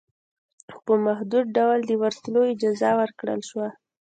په محدود ډول دورتلو اجازه ورکړل شوه